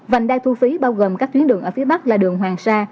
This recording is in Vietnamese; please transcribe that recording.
vành đai thu phí bao gồm các tuyến đường ở phía bắc là đường hoàng sa